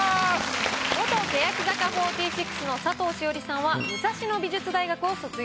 元欅坂４６の佐藤詩織さんは武蔵野美術大学を卒業。